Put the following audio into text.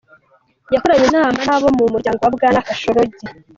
Yakoranye inama n'abo mu muryango wa Bwana Khashoggi.